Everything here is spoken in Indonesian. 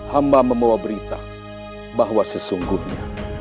hamba membawa berita bahwa sesungguhnya